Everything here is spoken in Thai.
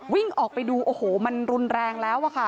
วิ่งออกไปดูโอ้โหมันรุนแรงแล้วอะค่ะ